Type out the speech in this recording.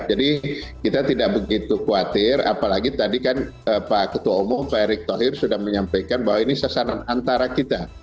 jadi kita tidak begitu khawatir apalagi tadi kan pak ketua umum pak erik thohir sudah menyampaikan bahwa ini sasaran antara kita